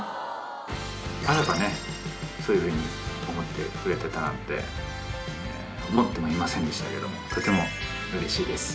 まさかね、そういうふうに思ってくれてたなんて思ってもいませんでしたけど、とてもうれしいです。